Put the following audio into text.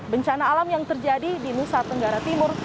bencana alam yang terjadi di nusa tenggara timur